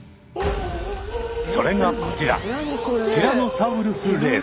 それがこちら。